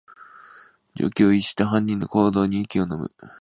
常軌を逸した犯人の行動に息をのむ